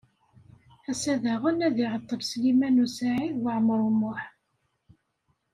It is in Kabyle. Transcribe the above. Ass-a daɣen ad iɛeṭṭel Sliman U Saɛid Waɛmaṛ U Muḥ.